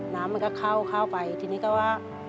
น้ำมันก็เข้าไปทีนี้ก็ว่า